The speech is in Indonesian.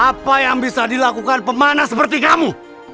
apa yang bisa dilakukan pemana seperti kamu